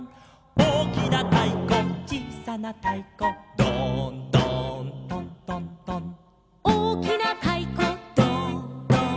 「おおきなたいこちいさなたいこ」「ドーンドーントントントン」「おおきなたいこドーンドーン」